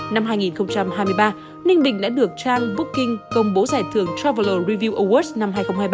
năm hai nghìn hai mươi ba ninh bình đã được trang booking công bố giải thưởng travel review awards năm hai nghìn hai mươi ba